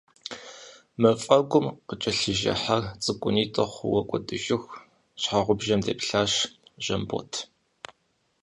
Мафӏэгум къыкӏэлъыжэ хьэр, цӏыкӏунитӏэ хъууэ кӏуэдыжыху, щхьэгъубжэм дэплъащ Жэмбот.